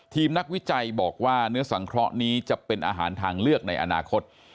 นักวิจัยบอกว่าเนื้อสังเคราะห์นี้จะเป็นอาหารทางเลือกในอนาคต